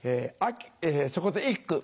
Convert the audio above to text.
そこで一句。